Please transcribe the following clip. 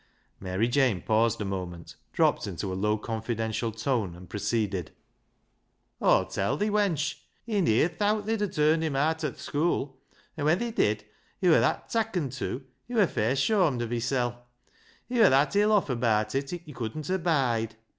Mary Jane paused a moment, dropped into a low, confidential tone, and proceeded —" Aw'll tell thi, wench. He ne'er thowt they'd a turnt him aat o' th' schoo'. An' v\hen they did, he wur that takken to, he wur fair shawmed of hissel'. He wur that ill off abaat it, he couldn't abide.